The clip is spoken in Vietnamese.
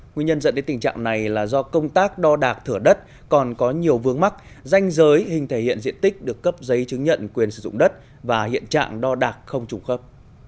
nguyên nhân dẫn đến tình trạng này là do công tác đo đạc thửa đất còn có nhiều vướng mắc danh giới hình thể hiện diện tích được cấp giấy chứng nhận quyền sử dụng đất và hiện trạng đo đạc không trùng khớp